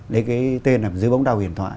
lấy cái tên là dưới bóng đau hiền thoại